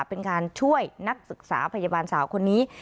เป็นการช่วยนักศึกษาพยาบาลสาวคนนี้